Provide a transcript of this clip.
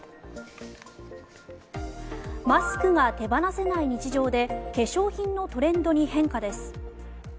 マスクが手放せない日常で化粧品のトレンドに変化です。